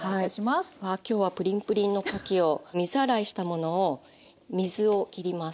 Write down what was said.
わ今日はプリンプリンのかきを水洗いしたものを水を切ります。